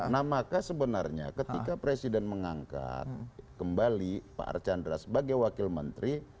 nah maka sebenarnya ketika presiden mengangkat kembali pak archandra sebagai wakil menteri